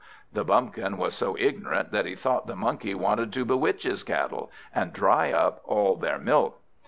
The Bumpkin was so ignorant that he thought the Monkey wanted to bewitch his cattle, and dry up all their milk.